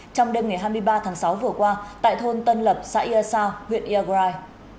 trong đêm ngày hai mươi ba tháng sáu vừa qua tại thôn tân lập xã yersa huyện yagurai